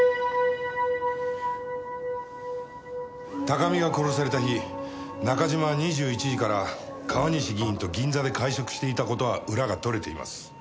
高見が殺された日中島は２１時から川西議員と銀座で会食していた事は裏が取れています。